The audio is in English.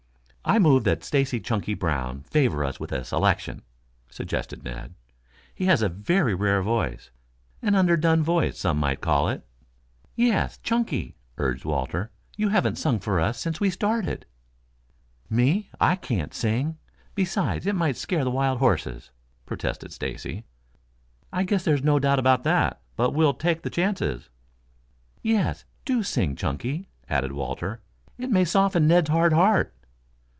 "I move that Stacy Chunky Brown favor us with a selection," suggested Ned. "He has a very rare voice an underdone voice some might call it." "Yes, Chunky," urged Walter. "You haven't sung for us since we started." "Me? I can't sing. Besides it might scare the wild horses," protested Stacy. "I guess there's no doubt about that. But we'll take the chances." "Yes, do sing, Chunky," added Walter. "It may soften Ned's hard heart."